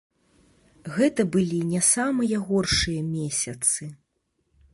Гэта былі не самыя горшыя месяцы.